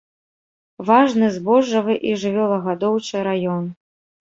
Важны збожжавы і жывёлагадоўчы раён.